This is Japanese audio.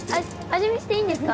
味見していいんですか？